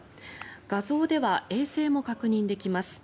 画像では衛星も確認できます。